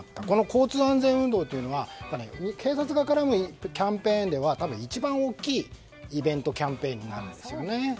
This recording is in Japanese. この交通安全運動というのは警察側からのキャンペーンでは多分一番大きいイベントキャンペーンになるんですよね。